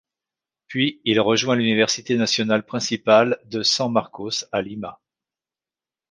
Puis il rejoint l’université nationale principale de San Marcos à Lima.